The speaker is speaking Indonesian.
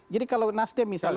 jadi kalau nasdem misalnya